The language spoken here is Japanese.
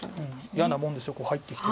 嫌なもんです入ってきて。